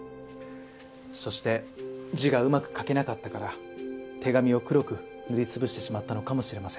そして字がうまく書けなかったから手紙を黒く塗り潰してしまったのかもしれません。